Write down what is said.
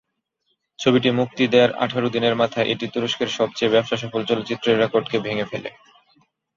ছবিটি মুক্তি দেয়ার আঠারো দিনের মাথায় এটি তুরস্কের সবচেয়ে ব্যবসাসফল চলচ্চিত্রের রেকর্ডকে ভেঙে ফেলে।